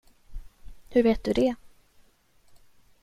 Hur vet du det?